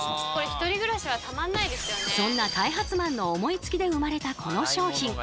そんな開発マンの思いつきで生まれたこの商品。